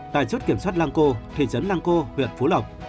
tài chốt kiểm soát lang co thị trấn lang co huyện phú lộc